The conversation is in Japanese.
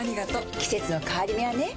季節の変わり目はねうん。